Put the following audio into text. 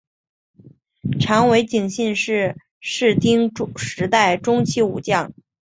长尾景信是室町时代中期武将。